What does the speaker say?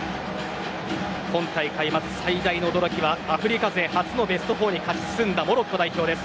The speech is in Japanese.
今大会まず最大の驚きはアフリカ勢初のベスト４に勝ち進んだモロッコ代表です。